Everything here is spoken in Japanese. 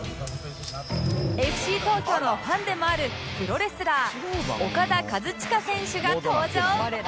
ＦＣ 東京のファンでもあるプロレスラーオカダ・カズチカ選手が登場